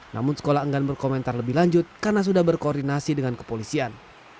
namun sekolah enggan berkomentar lebih lanjut karena sudah berkoordinasi dengan kepolisian